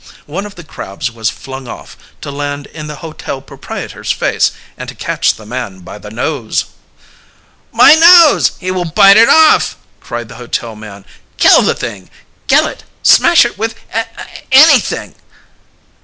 One of the crabs was flung off, to land in the hotel proprietor's face and to catch the man by the nose. "My nose! He will bite it off!" cried the hotel man. "Kill the thing, Gillett smash it with a a anything!"